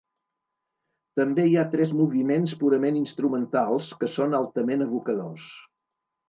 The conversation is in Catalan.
També hi ha tres moviments purament instrumentals, que són altament evocadors.